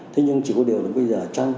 thế nhưng chỉ có điều là bây giờ